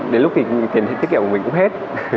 đến lúc thì tiền thị tiết kiệm của mình cũng hết